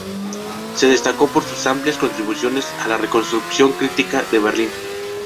Se destacó por sus amplias contribuciones a la "reconstrucción crítica" de Berlín.